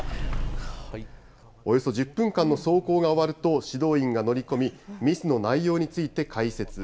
およそ１０分間の走行が終わると、指導員が乗り込み、ミスの内容について解説。